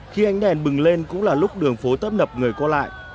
khi ánh đèn bừng lên cũng là lúc đường phố tấp nập người qua lại